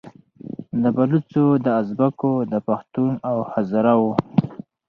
د بــــلوچـــو، د اُزبـــــــــــــــــکو، د پــــښــــتــــون او هـــــزاره وو